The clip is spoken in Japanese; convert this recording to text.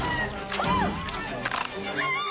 あっ！